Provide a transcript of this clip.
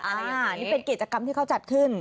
อะไรอ่ะนี่เป็นกิจกรรมที่เขาจัดขึ้น